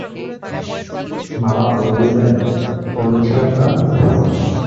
মামা বললেন, বলেছিলাম না।